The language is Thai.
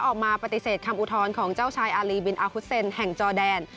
ออกมาปฏิเสธคำอุทธรณ์ของเจ้าชายอารีบินอาฮุเซนแห่งจอแดน